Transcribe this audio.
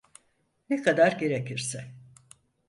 Ne kadar gerekirse.